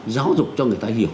giáo dục cho người ta hiểu